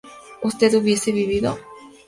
¿usted hubiese vivido?